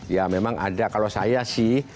ya memang ada kalau saya sih